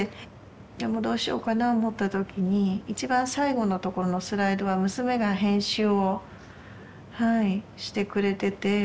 でもどうしようかな思った時に一番最後のところのスライドは娘が編集をはいしてくれてて。